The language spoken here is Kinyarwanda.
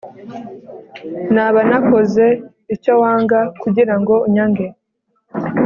Naba nakoze icyo wanga kugira unyange